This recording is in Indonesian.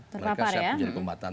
mereka siap menjadi pembantuan